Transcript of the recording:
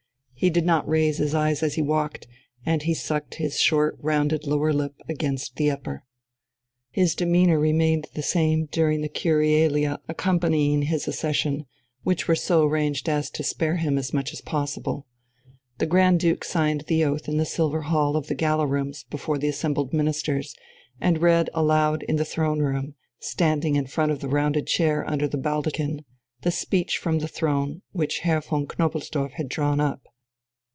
He did not raise his eyes as he walked, and he sucked his short rounded lower lip against the upper.... His demeanour remained the same during the Curialia accompanying his accession, which were so arranged as to spare him as much as possible. The Grand Duke signed the oath in the Silver Hall of the Gala Rooms before the assembled Ministers, and read aloud in the Throne room, standing in front of the rounded chair under the baldachin, the Speech from the Throne, which Herr von Knobelsdorff had drawn up.